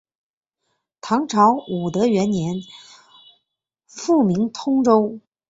唐朝武德元年复名通州。